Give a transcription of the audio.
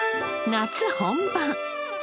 夏本番！